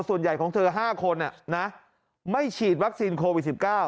ส่วนใหญ่ของเธอ๕คนไม่ฉีดวัคซีนโควิด๑๙